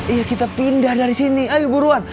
iya kita pindah dari sini ayo buruan